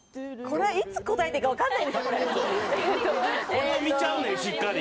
これを見ちゃうのよしっかり。